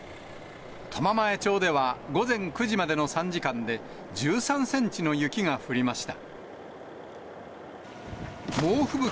苫前町では、午前９時までの３時間で、１３センチの雪が降りました。